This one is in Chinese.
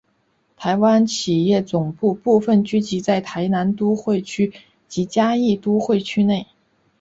台湾企业总部部份聚集在台南都会区及嘉义都会区内。